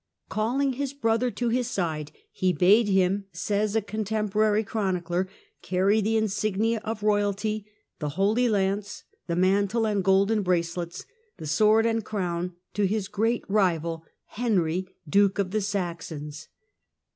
Calling his brother to his side, he bade him, says a contemporary chronicler, carry the insignia of royalty, the holy lance, the mantle and golden bracelets, the sword and crown, to his great rival, Henry, duke of the Saxons.